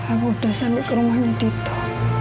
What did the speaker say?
aku udah sampai ke rumahnya dito